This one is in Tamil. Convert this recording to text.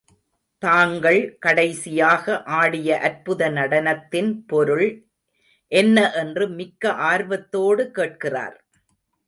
தாங்கள் கடைசியாக ஆடிய அற்புத நடனத்தின் பொருள் என்ன என்று மிக்க ஆர்வத்தோடு கேட்கிறார்.